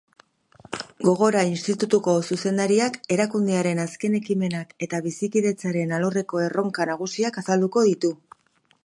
Gogora institutuko zuzendariak erakundearen azken ekimenak eta bizikidetzaren alorreko erronka nagusiak azalduko ditu.